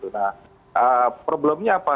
nah problemnya apa